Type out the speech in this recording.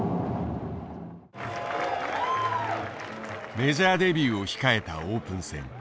メジャーデビューを控えたオープン戦。